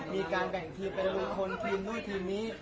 มีการแบ่งทีมเป็นลุงพลทีมนู่นทีมนี้